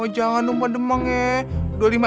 jangan lupa demang ya